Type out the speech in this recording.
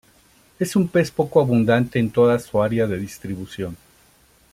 Es un pez poco abundante en toda su área de distribución.